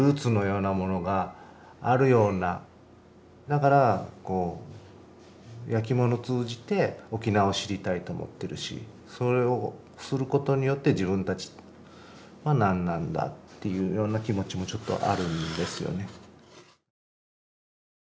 だからこう焼き物通じて沖縄を知りたいと思ってるしそれをすることによって自分たちは何なんだっていうような気持ちもちょっとあるんですよね。